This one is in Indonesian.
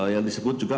yang disebut juga